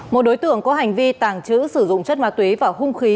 một đối tượng có hành vi tàng trữ sử dụng chất ma túy và hung khí